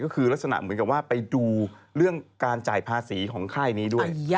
ก็คือลักษณะเหมือนกับว่าไปดูเรื่องการจ่ายภาษีของค่ายนี้ด้วย